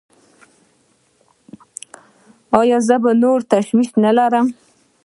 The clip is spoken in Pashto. ایا زه به نور تشویش نلرم؟